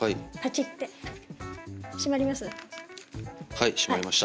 はい閉まりました。